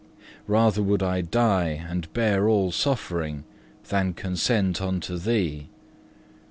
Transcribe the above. Rather would I die and bear all suffering, than consent unto thee.